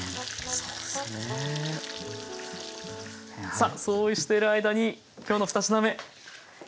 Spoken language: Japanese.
さあそうしている間に今日の２品目。